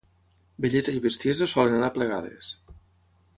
Bellesa i bestiesa solen anar plegades.